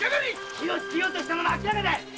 火をつけようとしたのは明らかだ！